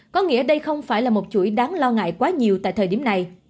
có nghĩa đây không phải là một chuỗi đáng lo ngại quá nhiều tại thời điểm này